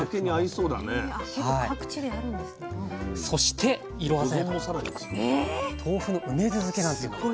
そして色鮮やかな豆腐の梅酢漬けなんていうのも。